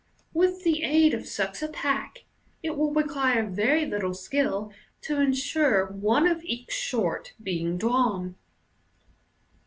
With the aid of such a pack, it will require very little skill to ensure one of each sort being drawn.